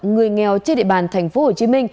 người nghèo trên địa bàn tp hcm